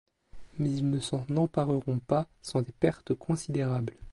Mais ils ne s’en empareront pas sans des pertes considérables.